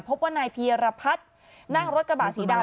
พบว่านายพีรพัฒน์นั่งรถกระบะสีดำ